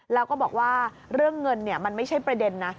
แล้วก็บอกว่าเรื่องเงินมันไม่ใช่ประเด็นนะ